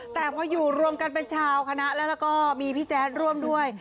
แต่พออยู่รวมกันเป็นชาวคณะแล้วก็มีพี่แจ๊ดร่วมด้วย